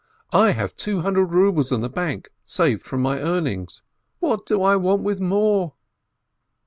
I have two hundred rubles in the bank, saved from my earnings. What do I want with more?"